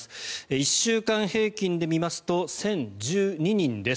１週間平均で見ますと１０１２人です。